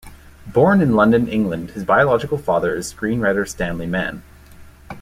Born in London, England, his biological father is screenwriter Stanley Mann.